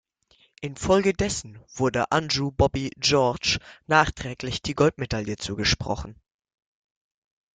Infolgedessen wurde Anju Bobby George nachträglich die Goldmedaille zugesprochen.